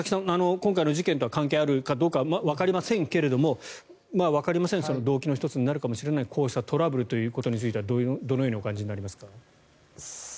今回の事件と関係あるかわかりませんがわかりません動機の１つになるかもしれないこうしたトラブルについてどのようにお感じになりますか？